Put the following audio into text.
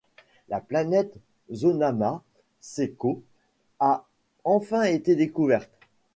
La planète Zonama Sekot a enfin été découverte.